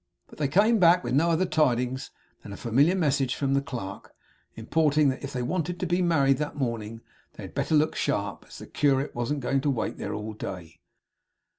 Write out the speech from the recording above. But they came back with no other tidings than a familiar message from the clerk, importing that if they wanted to be married that morning they had better look sharp, as the curate wasn't going to wait there all day.